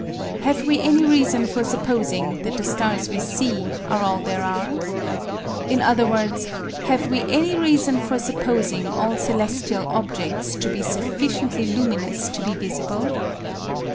Have we any reason for supposing that the stars we see are all there are? In other words, have we any reason for supposing all celestial objects to be sufficiently luminous to be visible?